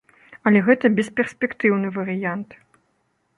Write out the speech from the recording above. Але гэта бесперспектыўны варыянт.